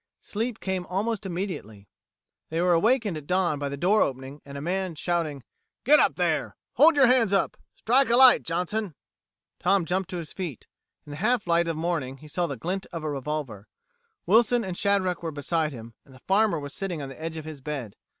Sleep came almost immediately. They were awakened at dawn by the door opening, and a man shouting, "Get up there! Hold you hands up! Strike a light, Johnson." Tom jumped to his feet. In the half light of morning he saw the glint of a revolver. Wilson and Shadrack were beside him, and the farmer was sitting on the edge of his bed.